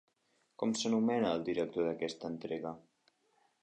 Com s'anomena el director d'aquesta entrega?